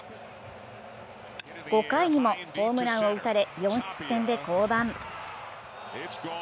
５回にもホームランを打たれ４失点で降板。